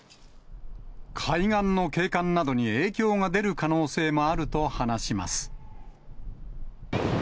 海岸の景観などに影響が出る可能性もあると話します。